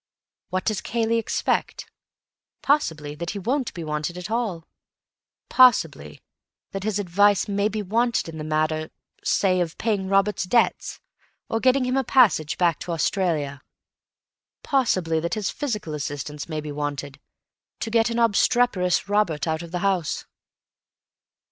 What does Cayley expect? Possibly that he won't be wanted at all; possibly that his advice may be wanted in the matter, say, of paying Robert's debts, or getting him a passage back to Australia; possibly that his physical assistance may be wanted to get an obstreperous Robert out of the house.